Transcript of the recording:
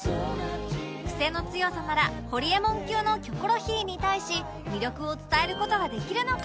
癖の強さならホリエモン級のキョコロヒーに対し魅力を伝える事はできるのか？